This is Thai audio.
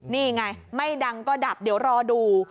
นี่ไงไม่ดังก็ดับเดี๋ยวรอดู